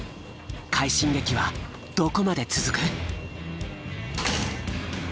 快進撃はどこまで続く？